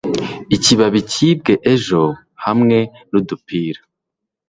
ikibabi cyibwe ejo, hamwe nudupira